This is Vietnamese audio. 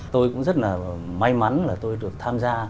tôi cũng rất là may mắn là tôi được tham gia